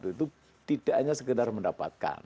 itu tidak hanya sekedar mendapatkan